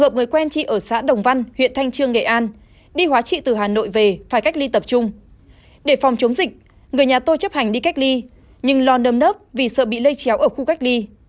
để phòng chống dịch người nhà tôi chấp hành đi cách ly nhưng lo nâm nớp vì sợ bị lây chéo ở khu cách ly